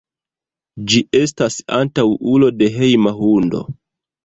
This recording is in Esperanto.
Ĝi estas antaŭulo de hejma hundo.